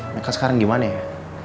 meka sekarang gimana ya